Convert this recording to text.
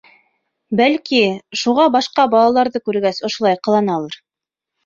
Бәлки, шуға башҡа балаларҙы күргәс, ошолай ҡыланалар.